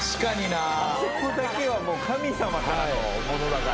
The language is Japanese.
そこだけはもう神様からのものだから。